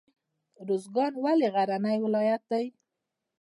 ارزګان ولې غرنی ولایت دی؟